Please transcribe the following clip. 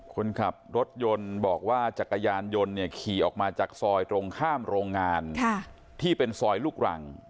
คนขับรถยนต์บอกว่าจักรยานยนต์เนี่ยขี่ออกมาจากซอยตรงข้ามโรงงานที่เป็นซอยลูกรัง